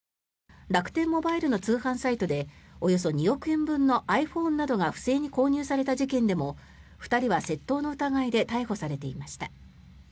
楽天モバイルの通販サイトでおよそ２億円分のｉＰｈｏｎｅなどが不正に購入された事件でも２人は窃盗の疑いで逮捕されていました。